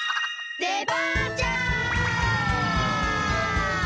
デパーチャー！